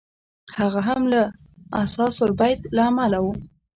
هغه هم له اثاث البیت له امله و.